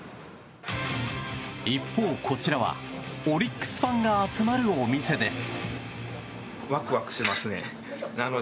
一方、こちらはオリックスファンが集まるお店です。